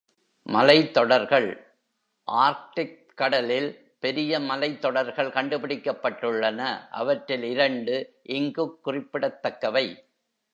மலைத் தொடர்கள் ஆர்க்டிக் கடலில் பெரிய மலைத்தொடர்கள் கண்டுபிடிக்கப்பட்டுள்ளன. அவற்றில் இரண்டு இங்குக் குறிப்பிடத்தக்கவை.